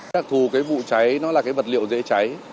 đặc thù cái vụ cháy nó là cái vật liệu dễ cháy